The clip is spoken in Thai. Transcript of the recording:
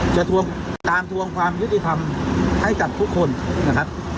จะตามทวงความยุติภัณฑ์ให้กับทุกคนนะครับ